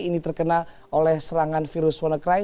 ini terkena oleh serangan virus wannacry